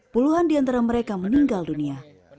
puluhan di antara mereka meninggal dunia